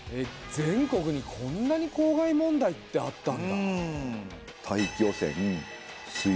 全国にこんなに公害問題ってあったんだ。